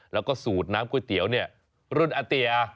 แล้วก็สูตรน้ำก๋วยเตี๋ยวเนี่ยรุ่นอาเตีย